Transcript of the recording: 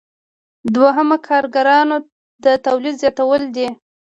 دوهم د کاریګرانو د تولید زیاتول دي.